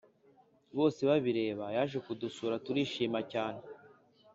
Bose babireba yaje kudusura turishima cyane